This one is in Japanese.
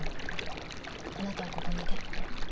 あなたはここにいて。